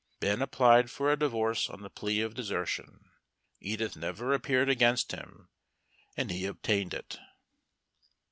Ben applied for a divorce on the plea of desertion. Edith never appeared against him, and he obtained it.